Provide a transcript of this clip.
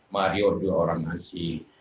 mario juga orang asing